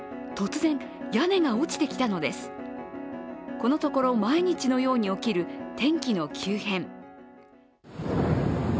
このところ毎日のように起きる天気の急変。